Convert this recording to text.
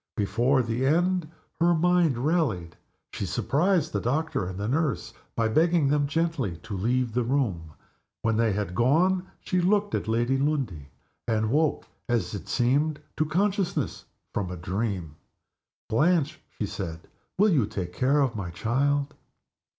Before the end her mind rallied. She surprised the doctor and the nurse by begging them gently to leave the room. When they had gone she looked at Lady Lundie, and woke, as it seemed, to consciousness from a dream. "Blanche," she said, "you will take care of my child?"